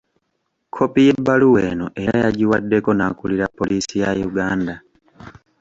Kkopi y'ebbaluwa eno era yagiwaddeko n'akulira poliisi ya Uganda.